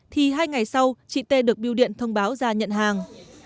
thì hai ngày sau chị t được biêu điện thông báo ra nhận hàng